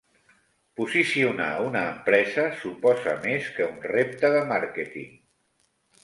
Posicionar una empresa suposa més que un repte de màrqueting.